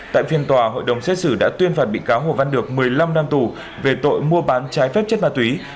tại phiên tòa hội đồng xét xử đã tuyên phạt bị cáo hồ văn được một mươi năm năm tù về tội mua bán trái phép chất ma túy